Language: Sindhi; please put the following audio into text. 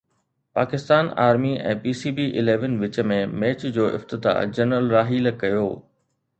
Pakistan army ۽ P C B eleven وچ ۾ ميچ جو افتتاح جنرل راحيل ڪيو